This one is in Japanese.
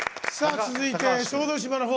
続いて、小豆島のほう。